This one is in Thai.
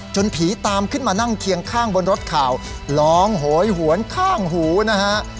ผีตามขึ้นมานั่งเคียงข้างบนรถข่าวร้องโหยหวนข้างหูนะฮะ